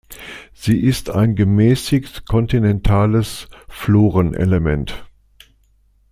Sie ist ein gemäßigt-kontinentales Florenelement.